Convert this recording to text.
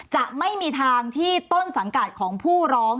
จะไม่มีทางที่ต้นสังกัดของผู้ร้อง